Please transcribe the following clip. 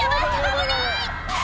危ない！